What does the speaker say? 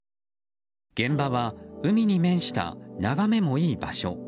現場は、海に面した眺めもいい場所。